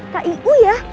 kak ibu ya